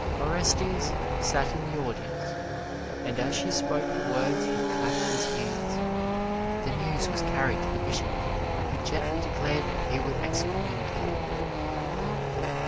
Orestes sat in the audience and as she spoke the words he clapped his hands. The news was carried to the Bishop, who gently declared that he would excommunicate him.